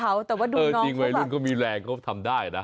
แต่ว่าดูน้องเค้าแบบนี้เออจริงว่าวัยรุ่นเขามีแรงเขาทำได้นะ